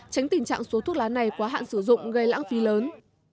tránh tình trạng số thuốc lá này quá hạn sử dụng gây lãng phí lớn